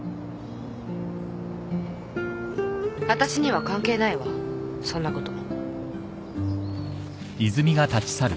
わたしには関係ないわそんなこと。